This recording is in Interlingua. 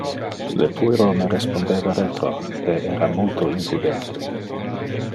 Le puero me respondeva retro, e era multo impudente.